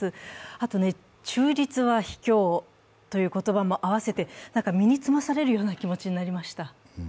あと中立は卑怯という言葉も併せて何か身につまされるような気持ちになりました。